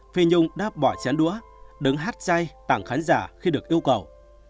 phi nhung đáp bỏ chén đũa đứng hát chay tặng khán giả khi được yêu cầu